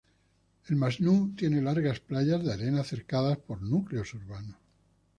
El Masnou tiene largas playas de arena cercadas por núcleos urbanos.